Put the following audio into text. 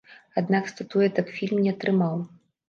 Аднак статуэтак фільм не атрымаў.